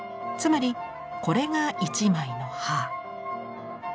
つまりこれが１枚の葉。